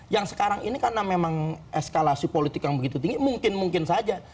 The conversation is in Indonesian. yang sekarang ini karena memang eskalasi politik yang begitu tinggi mungkin mungkin saja